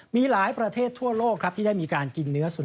มีหลายประเทศทั่วโลกครับที่ได้มีการกินเนื้อสุนัข